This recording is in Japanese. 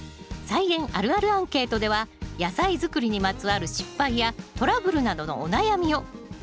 「菜園あるあるアンケート」では野菜づくりにまつわる失敗やトラブルなどのお悩みを！